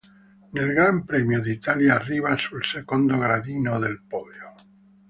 Nel Gran Premio d'Italia arriva sul secondo gradino del podio.